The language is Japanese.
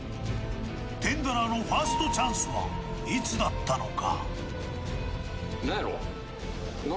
テンダラーのファーストチャンスはいつだったのか。